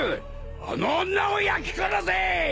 あの女を焼き殺せ！